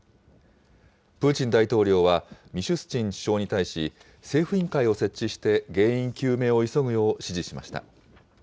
プーチン大統領は、ミシュスチン首相に対し、政府委員会を設置して、原因究明を急ぐよう指示しました。